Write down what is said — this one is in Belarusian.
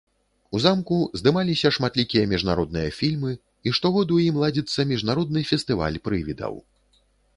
У замку здымаліся шматлікія міжнародныя фільмы, і штогод у ім ладзіцца міжнародны фестываль прывідаў.